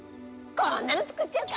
こーんなの作っちゃうか！